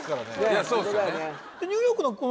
いやそうっすよね